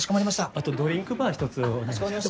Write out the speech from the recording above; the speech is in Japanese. あとドリンクバー１つお願いします。